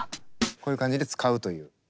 こういう感じで使うという。